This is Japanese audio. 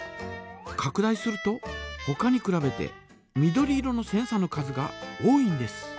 かく大するとほかにくらべて緑色のセンサの数が多いんです。